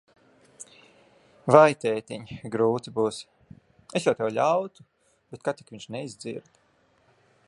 Vai, tētiņ, grūti būs. Es jau tev ļautu, bet ka tik viņš neizdzird.